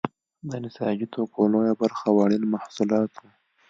د نساجي توکو لویه برخه وړین محصولات وو.